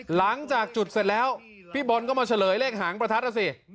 หลังจากจุดเสร็จแล้วพี่บอลก็มาเฉลยเลขหางประทัดอ่ะสิ